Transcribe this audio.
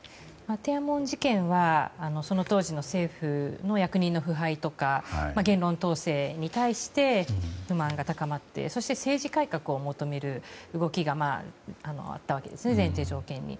天安門事件はその当時の政府の役人の腐敗とか言論統制に対して不満が高まってそして政治改革を求める動きがあったわけですね、前提条件に。